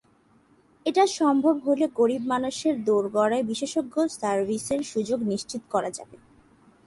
এটি সম্ভব হলে গরিব মানুষের দোরগোড়ায় বিশেষজ্ঞ সার্ভিসের সুযোগ নিশ্চিত করা যাবে।